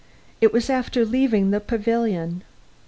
It was after leaving the pavilion.